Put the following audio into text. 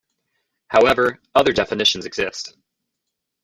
However, other definitions exist.